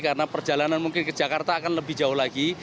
karena perjalanan mungkin ke jakarta akan lebih jauh lagi